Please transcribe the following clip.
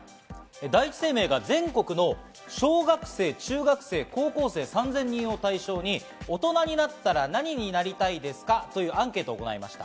第一生命が全国の小学生、中学生、高校生３０００人を対象に、大人になったら何になりたいですか？というアンケートを行いました。